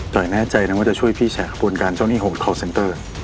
แต่แน่ใจนะว่าจะช่วยพี่แฉกระบวนการเจ้าหนี้ของคอลเซนเตอร์